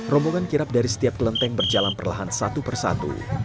rombongan kirap dari setiap kelenteng berjalan perlahan satu persatu